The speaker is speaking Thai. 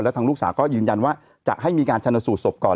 ทางลูกสาวก็ยืนยันว่าจะให้มีการชนสูตรศพก่อน